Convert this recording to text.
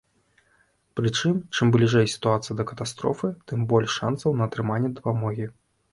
Прычым, чым бліжэй сітуацыя да катастрофы, тым больш шанцаў на атрыманне дапамогі.